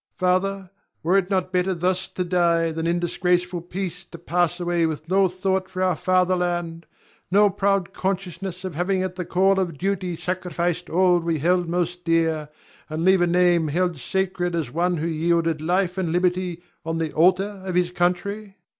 Ion. Father, were it not better thus to die, than in disgraceful peace to pass away with no thought for our fatherland, no proud consciousness of having at the call of duty sacrificed all we held most dear, and leave a name held sacred as one who yielded life and liberty on the altar of his country?